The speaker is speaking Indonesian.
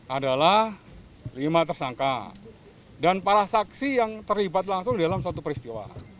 adalah lima tersangka dan para saksi yang terlibat langsung dalam satu peristiwa